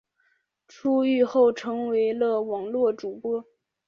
出狱后成为了网络主播。